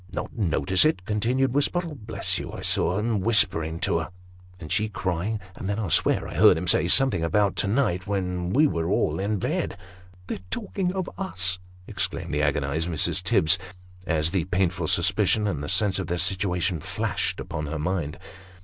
" Not notice it !" continued Wisbottle. " Bless you ; I saw him whispering to her, and she crying ; and then I'll swear I heard him say something about to night when we were all in bed." " They're talking of us !" exclaimed the agonised Mrs. Tibbs, as the painful suspicion, and a sense of their situation, flashed upon her mind.